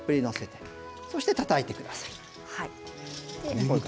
そしてたたいてください。